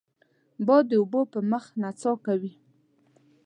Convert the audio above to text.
باد د اوبو په مخ نڅا کوي